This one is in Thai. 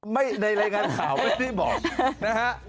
ในรายงานข่าวไม่ได้บอกนะฮะ